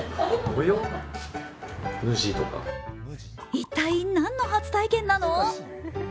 一体、何の初体験なの？